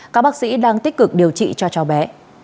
các bác sĩ đang tích cực điều trị cho cháu bé